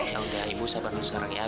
ya udah ibu sabar dulu sekarang ya